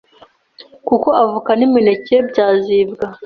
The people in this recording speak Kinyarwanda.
kuko avoka n’imineke byazibwa